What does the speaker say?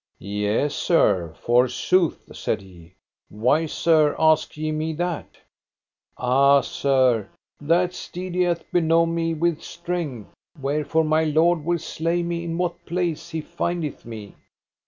Yea, sir, forsooth, said he; why, sir, ask ye me that? Ah, sir, that steed he hath benome me with strength; wherefore my lord will slay me in what place he findeth me.